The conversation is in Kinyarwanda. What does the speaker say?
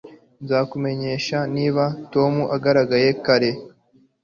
Nzakumenyesha niba Tom agaragaye kare